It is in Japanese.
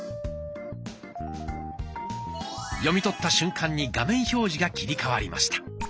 読み取った瞬間に画面表示が切り替わりました。